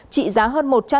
trị giá hơn